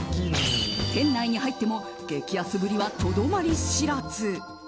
店内に入っても激安ぶりはとどまり知らず。